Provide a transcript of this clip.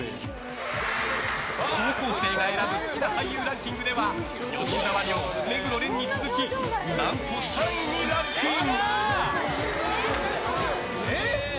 高校生が選ぶ好きな俳優ランキングでは吉沢亮、目黒蓮に続き何と３位にランクイン。